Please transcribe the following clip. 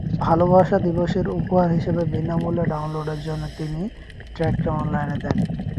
ভালোবাসা দিবসের উপহার হিসাবে বিনামূল্যে ডাউনলোডের জন্য তিনি ট্র্যাকটি অনলাইনে দেন।